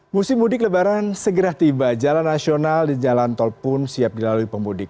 musim mudik lebaran segera tiba jalan nasional di jalan tol pun siap dilalui pemudik